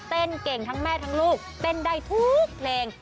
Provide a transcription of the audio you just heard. เต้นเก่งทั้งแม่ทั้งลูกเต้นได้ทุกเพลง